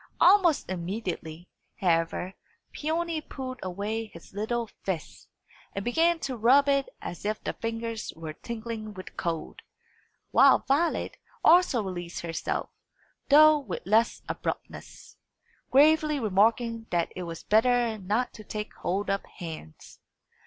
Almost immediately, however, Peony pulled away his little fist, and began to rub it as if the fingers were tingling with cold; while Violet also released herself, though with less abruptness, gravely remarking that it was better not to take hold of hands.